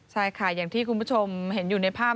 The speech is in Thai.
ใช่ค่ะอย่างที่คุณผู้ชมเห็นอยู่ในภาพ